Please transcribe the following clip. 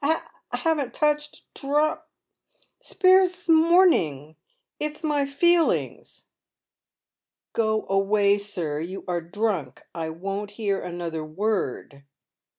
I haven't touched—* drop — spiriss this rnon 'ng. It's my feelings." " Go away, sir. You are drunk. I won't hear another word."